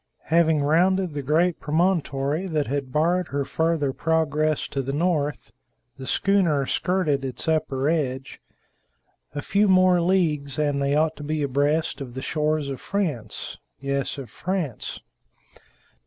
Having rounded the great promontory that had barred her farther progress to the north, the schooner skirted its upper edge. A few more leagues and they ought to be abreast of the shores of France. Yes, of France.